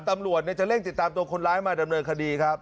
ตำรวจจะเร่งติดตามตัวคนร้ายมาดำเนินคดีครับ